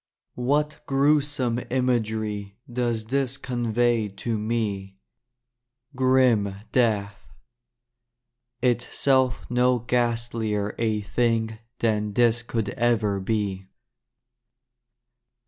What gruesome imagery Does this convey to me. Grim death — itself no ghastlier a thing than this Could ever be.